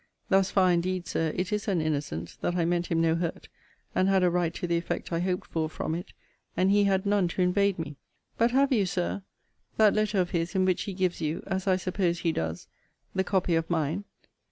Thus far indeed, Sir, it is an innocent, that I meant him no hurt, and had a right to the effect I hoped for from it; and he had none to invade me. But have you, Sir, that letter of his in which he gives you (as I suppose he does) the copy of mine?